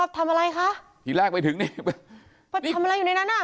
ทำอะไรคะทีแรกไปถึงนี่ไปทำอะไรอยู่ในนั้นอ่ะ